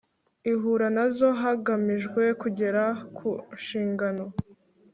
ihura nazo hagamijwe kugera ku nshingano